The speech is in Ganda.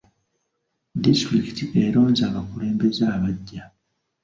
Disitulikiti eronze abakulembeze abaggya.